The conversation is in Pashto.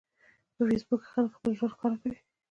په فېسبوک کې خلک خپل ژوند ښکاره کوي.